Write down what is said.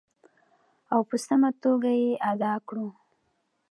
او په سمه توګه یې ادا کړو.